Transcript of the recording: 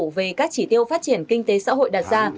về các chỉ tiêu phát triển kinh tế xã hội đặt ra